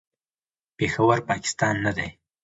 پېښور، پاکستان نه دی.